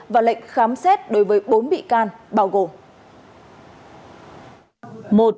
và lệnh khám xét đối với bốn bị can bao gồm